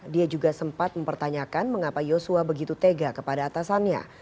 dia juga sempat mempertanyakan mengapa yosua begitu tega kepada atasannya